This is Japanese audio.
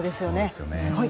すごい！